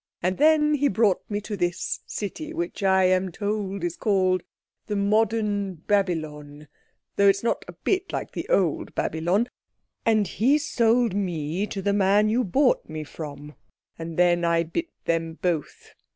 And then he brought me to this city, which I am told is called the Modern Babylon—though it's not a bit like the old Babylon—and he sold me to the man you bought me from, and then I bit them both.